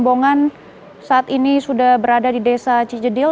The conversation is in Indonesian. dan saat ini sudah berada di desa cijedil